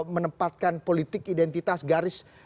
menempatkan politik identitas garis